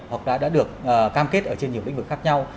hoặc đã được cam kết ở trên nhiều lĩnh vực khác nhau